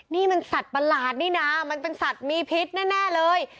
นี่มันสัตว์ประหลาดนี่นะมันเป็นสัตว์มีพิษแน่เลย